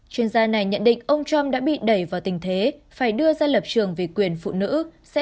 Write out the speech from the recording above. chuyên gia này nhận định ông trump đã bị đẩy vào tình thế phải đưa ra lập trường về quyền phụ nữ sẽ